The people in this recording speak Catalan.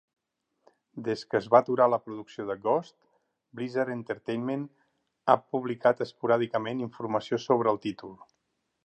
Des que es va aturar la producció de "Ghost", Blizzard Entertainment ha publicat esporàdicament informació sobre el títol.